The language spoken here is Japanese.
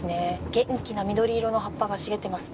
元気な緑色の葉っぱが茂っています。